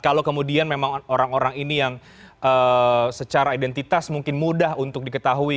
kalau kemudian memang orang orang ini yang secara identitas mungkin mudah untuk diketahui